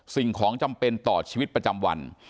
สิ่งของจำเป็นต่อชีวิตประจำวัน